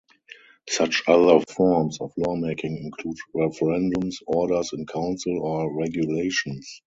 Such other forms of law-making include referendums, orders in council or regulations.